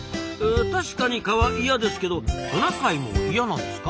確かに蚊は嫌ですけどトナカイも嫌なんですか？